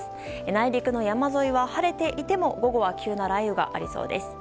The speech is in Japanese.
内陸の山沿いは晴れていても午後は急な雷雨がありそうです。